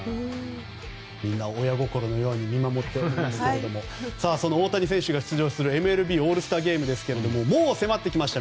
みんな親心のように見守っていますが大谷選手が出場するＭＬＢオールスターゲームですがもう迫ってきました。